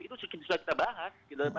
itu sudah kita bahas